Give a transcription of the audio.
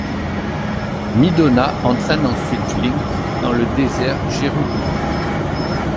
Midona entraîne ensuite Link dans le désert Gerudo.